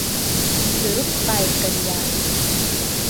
Дҩарықәҟааит Кониар.